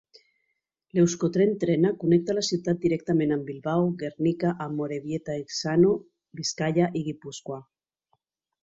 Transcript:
Euskotren Trena connecta la ciutat directament amb Bilbao, Guernica, Amorebieta-Etxano, Biscaia i Guipúscoa.